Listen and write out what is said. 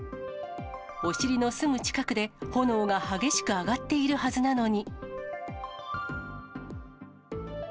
お尻のすぐ近くで炎が激しく上がっているはずなのに。